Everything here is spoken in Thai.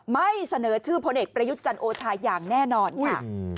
ไม่เสนอชื่อพลเอกประยุทธ์จันทร์โอชาอย่างแน่นอนค่ะ